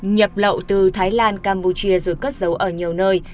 nhập lậu từ thái lan campuchia rồi cất giấu ở nhiều nơi